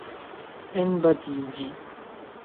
Enbatiĝi.